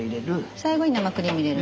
最後に生クリーム入れる？